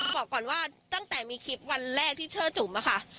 บอกก่อนว่าตั้งแต่มีคลิปวันแรกที่ชื่อจุ๋มอะค่ะ